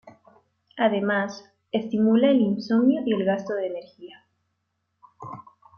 Además, estimula el insomnio y el gasto de energía.